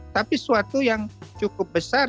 tapi suatu yang cukup besar